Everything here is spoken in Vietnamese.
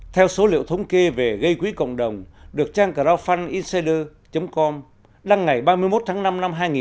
theo số liệu thống kê về gây quỹ cộng đồng được trang crowdfundinsider com đăng ngày ba mươi một tháng năm năm hai nghìn một mươi năm